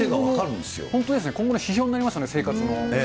本当ですね、今後の指標になりますね、生活の。